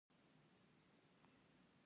میړه کور ته ننوت.